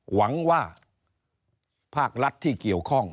หวังว่าภาครัฐที่เกี่ยวข้อง